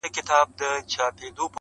پښتانه چي له قلم سره اشنا کړو,